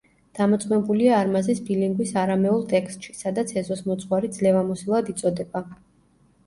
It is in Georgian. დამოწმებულია არმაზის ბილინგვის არამეულ ტექსტში, სადაც ეზოსმოძღვარი „ძლევამოსილად“ იწოდება.